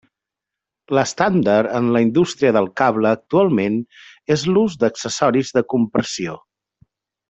L'estàndard en la indústria del cable actualment és l'ús d'accessoris de compressió.